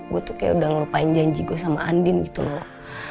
gue tuh kayak udah ngelupain janji gue sama andin gitu loh